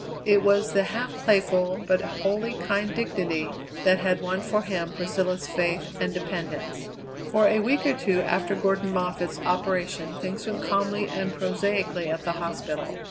It was the half playful, but wholly kind dignity that had won for him Priscilla's faith and dependence. For a week or two after Gordon Moffatt's operation things went calmly and prosaically at the hospital.